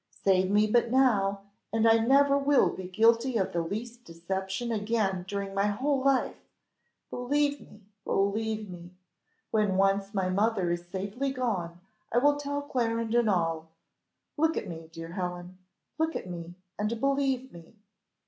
save me but now, and I never will be guilty of the least deception again during my whole life; believe me, believe me! When once my mother is safely gone I will tell Clarendon all. Look at me, dear Helen, look at me and believe me."